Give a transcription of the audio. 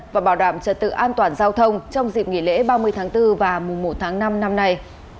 và bảo đảm trật tự an toàn giao thông trong dịp nghỉ lễ ba mươi tháng bốn và mùa một tháng năm năm nay